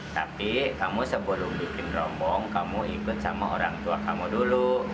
tapi kamu sebelum bikin rombong kamu ikut sama orang tua kamu dulu